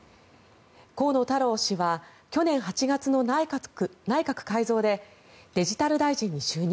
河野太郎氏は去年８月の内閣改造でデジタル大臣に就任。